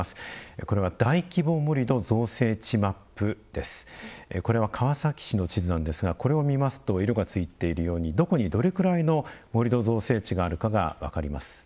これは「大規模盛土造成地マップ」です。これは川崎市の地図ですがこれを見ますと色がついているようにどこにどれくらいの盛土造成地があるかが分かります。